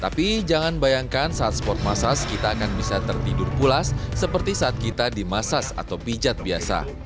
tapi jangan bayangkan saat sport massas kita akan bisa tertidur pulas seperti saat kita dimasas atau pijat biasa